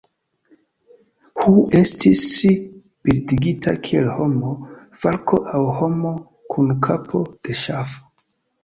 Hu estis bildigita kiel homo, falko aŭ homo kun kapo de ŝafo.